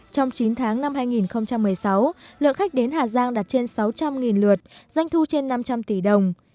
trong chín tháng năm hai nghìn một mươi sáu lượng khách đến hà giang đạt trên sáu trăm linh lượt doanh thu trên năm trăm linh tỷ đồng